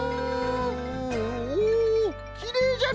おきれいじゃな！